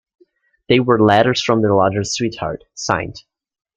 They were letters from the lodger's sweetheart, signed.